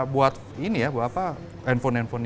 buat ini ya handphone handphone